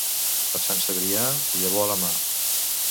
Per Sant Cebrià, llavor a la mà.